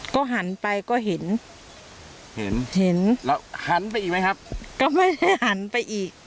ก็หันไปก็เห็นเห็นเห็นแล้วหันไปอีกไหมครับก็ไม่ได้หันไปอีก